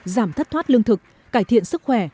giảm thất thoát lương thực cải thiện sức khỏe